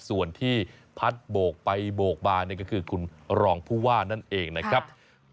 ส่วนที่พัดโบกไปโบกมานี่ก็คือคุณรองผู้ว่านั่นเองนะครับ